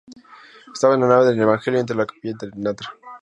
Estaba en la nave del Evangelio, entre la capilla de Ntra.